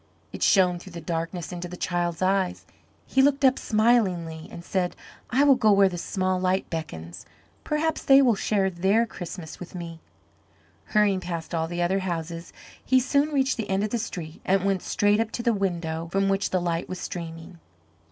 It shone through the darkness into the child's eyes. He looked up smilingly and said, "I will go where the small light beckons, perhaps they will share their Christmas with me." Hurrying past all the other houses, he soon reached the end of the street and went straight up to the window from which the light was streaming.